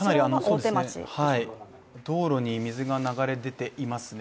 道路に水が流れ出ていますね。